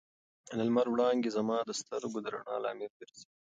د لمر وړانګې زما د سترګو د رڼا لامل ګرځي.